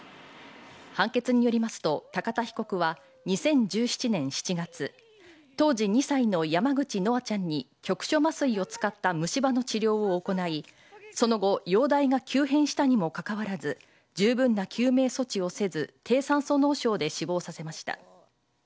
判決によりますと高田被告は２０１７年７月当時１歳の山口叶愛ちゃんに局所麻酔を使った虫歯の治療を行いその後容体が急変したにもかかわらずじゅうぶんな救命措置をせず低酸素脳症で死亡させました。